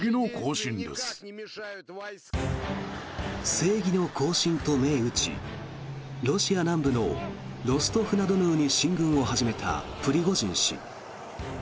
正義の行進と銘打ちロシア南部のロストフナドヌーに進軍を始めたプリゴジン氏。